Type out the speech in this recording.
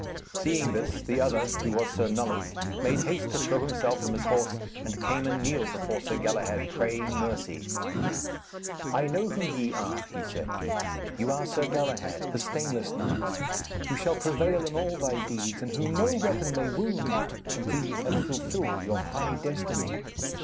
Seeing this, the other, who was Sir Nulloth, made haste to throw himself from his horse, and came and kneeled before Sir Galahad, praying mercy. 'I know who ye are,' he said. 'You are Sir Galahad, the stainless knight, who shall prevail in all thy deeds, and whom no weapon may wound until ye have fulfilled your high destiny.